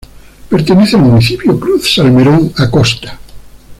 Pertenece al Municipio Cruz Salmerón Acosta.